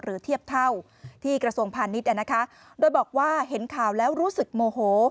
เทียบเท่าที่กระทรวงพาณิชย์โดยบอกว่าเห็นข่าวแล้วรู้สึกโมโห